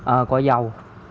ờ cò dầu